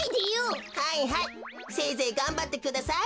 はいはいせいぜいがんばってください。